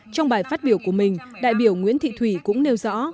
trong bài phát biểu của mình đại biểu nguyễn thị thủy cũng nêu rõ